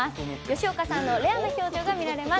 吉岡さんのいろんな表情が見られます。